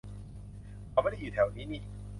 เขาไม่ได้อยู่แถวนี้นี่